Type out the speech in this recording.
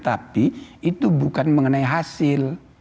tapi itu bukan mengenai hasil